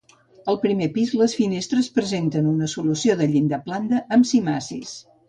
Al primer pis les finestres presenten una solució de llinda plana amb cimacis.